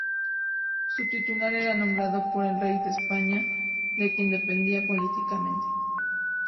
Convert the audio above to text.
Su titular era nombrado por el rey de España, de quien dependía políticamente.